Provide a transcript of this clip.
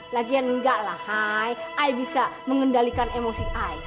lagian enggaklah aku bisa mengendalikan emosi aku